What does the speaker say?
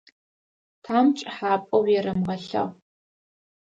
Тхьам пкӏыхьапӏэу уерэмыгъэлъэгъу.